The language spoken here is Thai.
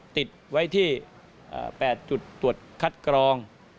ติดไว้ที่๘จุดตรวจคัดกรอง